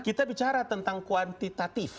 kita bicara tentang kuantitatif